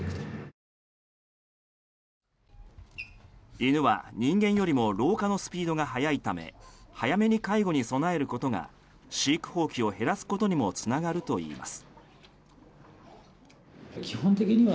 犬は人間よりも老化のスピードが速いため早めに介護に備えることが飼育放棄を減らすことにもつながるといいます。